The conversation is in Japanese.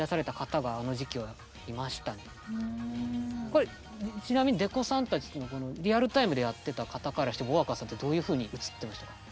これちなみにデコさんたちのこのリアルタイムでやってた方からしてｗｏｗａｋａさんってどういうふうに映ってました？